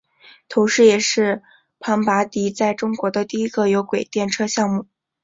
同时也是庞巴迪在中国的第一个有轨电车项目。